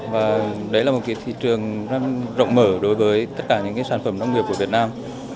và đấy là một thị trường rất rộng mở đối với tất cả những sản phẩm nông nghiệp của việt nam